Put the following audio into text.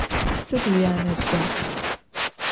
Sıd vuyane ıts'er?